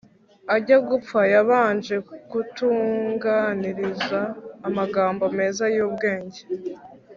Ajya gupfa yabanje kutuganiriza amagambo meza y’ubwenge